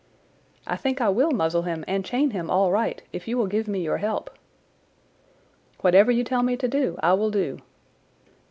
"I think I will muzzle him and chain him all right if you will give me your help." "Whatever you tell me to do I will do."